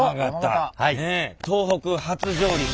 東北初上陸。